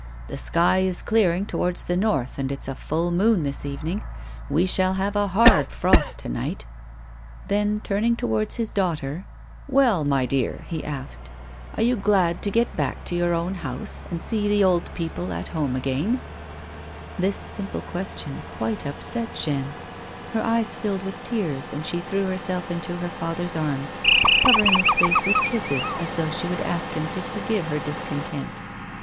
"The sky is clearing towards the north, and it's a full moon this evening. We shall have a hard frost to night." Then, turning towards his daughter :" Well, my dear," he asked, " are you glad to get back to your own house and see the old people at home again 1 " This simple question quite upset Jeanne. Her eyes filled with tears, and she threw herself into her father's arms, covering his face with kisses as though she would ask him to forgive her discontent.